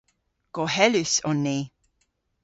Gohelus on ni.